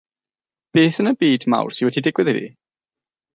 Beth yn y byd mawr sy wedi digwydd iddi?